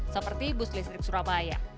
seperti bus listrik surabaya